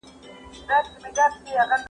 ملا بانګ خپلې ګوتې په تیاره کې یو بل ته ورکړې.